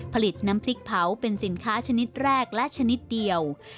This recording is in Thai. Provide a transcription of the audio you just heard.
ผลิตน้ำพริกเผาเป็นสินค้าชนิดแรกและชนิดเดียว